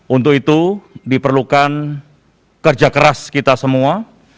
untuk itu diperlukan kerja keras kita semua